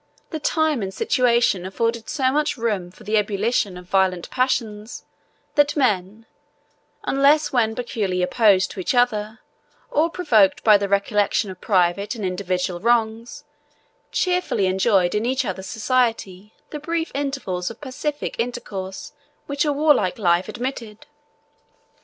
The time and situation afforded so much room for the ebullition of violent passions, that men, unless when peculiarly opposed to each other, or provoked by the recollection of private and individual wrongs, cheerfully enjoyed in each other's society the brief intervals of pacific intercourse which a warlike life admitted.